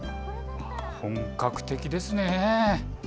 本格的ですね。